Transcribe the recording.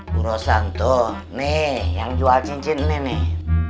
bu rosa tuh nih yang jual cincin ini nih